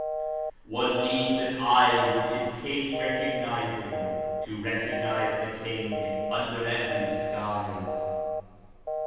' One needs an eye which is king recognising j To recognise the King under every disguise.'